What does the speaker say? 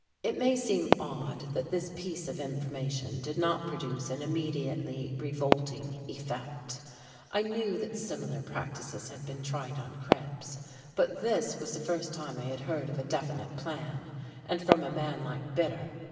It may seem odd that this piece of information did not produce an immediately revolting effect. I knew that similar practices had been tried on Krebs, but this was the first time I had heard of a definite plan, and from a man like Bitter.